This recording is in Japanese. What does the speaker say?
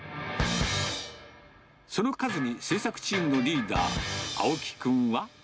その数に製作チームのリーダー、青木君は。